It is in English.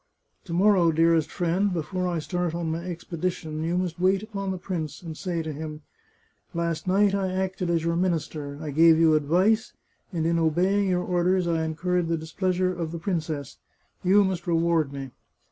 " To morrow, dearest friend, before I start on my ex pedition, you must wait upon the prince, and say to him: * Last night I acted as your minister ; I gave you advice, and in obeying your orders I incurred the displeasure of the princess. You must reward me.'